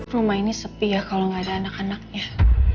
rumah ini sepi ya kalau nggak ada anak anaknya